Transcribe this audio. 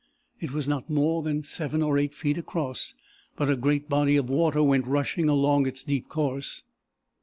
It was not more than seven or eight feet across, but a great body of water went rushing along its deep course.